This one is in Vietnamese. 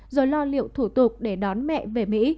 rồi lo liệu thủ tục để đón mẹ về mỹ